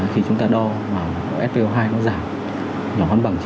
khi chúng ta đo spo hai nó giảm nhỏ hơn bằng chín mươi bốn